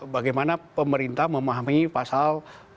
bagaimana pemerintah memahami pasal